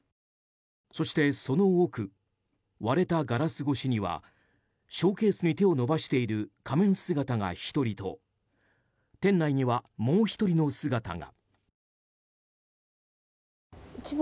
そしてその奥割れたガラス越しにはショーケースに手を伸ばしている仮面姿が１人と店内には、もう１人の姿が。